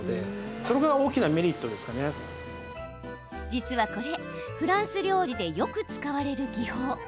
実はこれフランス料理でよく使われる技法。